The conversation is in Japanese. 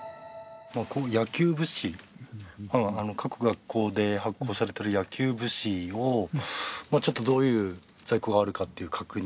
野球部史、各学校で発行されてる野球部史を、ちょっとどういう在庫があるかっていう確認。